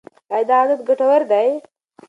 ایا دا عادت ګټور دی؟